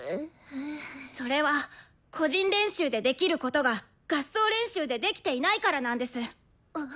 それは個人練習でできることが合奏練習でできていないからなんです。